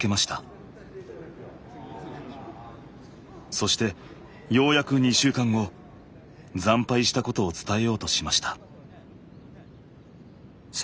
そしてようやく２週間後惨敗したことを伝えようとしました。